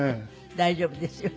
大丈夫ですよ。